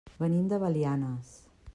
Venim de Belianes.